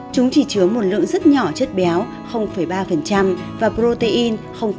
chúng chỉ chứa một lượng rất nhỏ chất béo ba và protein